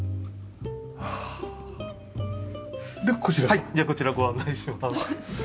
はいではこちらご案内します。